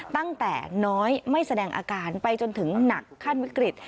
ตั้งแต่น้อยไม่แสดงอาการไปจนถึงหนักขั้นวิกฤต